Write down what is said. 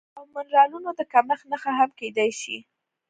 او منرالونو د کمښت نښه هم کیدی شي